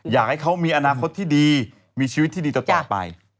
อยากให้เขามีอนาคตที่ดีมีชีวิตที่ดีต่อไป